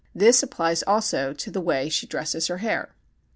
This applies also to the way she dresses her hair.